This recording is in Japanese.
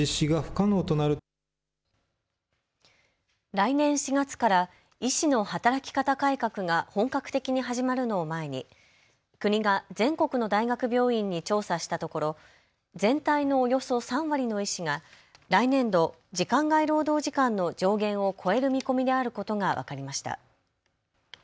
来年４月から医師の働き方改革が本格的に始まるのを前に国が全国の大学病院に調査したところ全体のおよそ３割の医師が来年度、時間外労働時間の上限を超える見込みであることが分かりました。